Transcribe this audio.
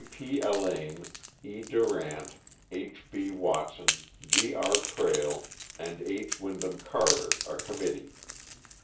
W. P. Alleyne, E. Durant, H. B. Watson, G. R. Krehl, and H. Wyndham Carter, a committee.